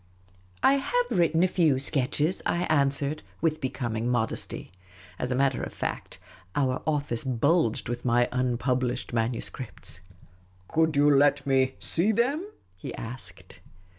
" I have written a few sketches," I answered, with becoming modesty. As a matter of fact, our ofl&ce bulged with my un published manuscripts. " Could you let me see them ?" he asked.